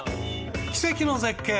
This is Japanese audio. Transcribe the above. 奇跡の絶景！